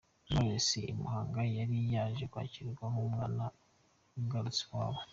Knowless i Muhanga yari yaje kwakirwa nk'umwana ugarutse iwabo.